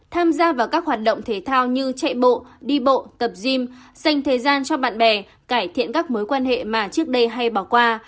tham gia vào các hoạt động thể thao như chạy bộ đi bộ tập gym dành thời gian cho bạn bè cải thiện các mối quan hệ mà trước đây hay bỏ qua